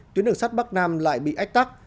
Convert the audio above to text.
tuyến đường sắt bắc nam lại bị ách tắc